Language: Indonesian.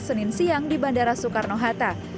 senin siang di bandara soekarno hatta